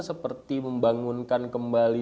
seperti membangunkan kembali